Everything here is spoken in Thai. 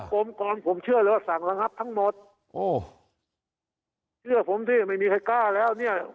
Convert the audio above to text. กลมกองผมเชื่อเลยว่าฉันชันดันทรัพย์ทั้งหมดว่าผมจะไม่มีใครกล้าแล้วเนี่ย